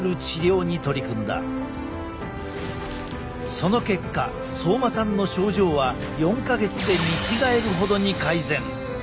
その結果相馬さんの症状は４か月で見違えるほどに改善。